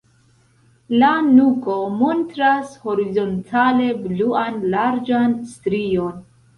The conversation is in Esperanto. La nuko montras horizontale bluan larĝan strion.